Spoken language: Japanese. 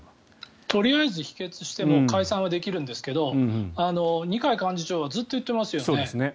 とりあえず否決しても解散はできるんですけど二階幹事長はずっと言ってますよね。